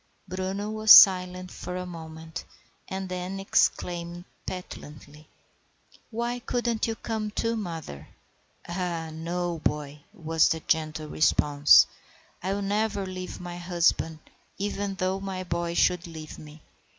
Bruno was silent for a moment, and then exclaimed petulantly,— "Why couldn't you come too, mother?" "Ah, no, boy," was the gentle response. "I will never leave my husband, even though my boy should leave me.